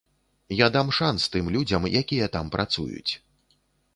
Я дам шанс тым людзям, якія там працуюць.